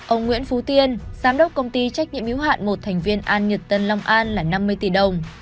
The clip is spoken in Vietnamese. ông nguyễn phú tiên giám đốc công ty trách nhiệm hiếu hạn một thành viên an nhật tân long an là năm mươi tỷ đồng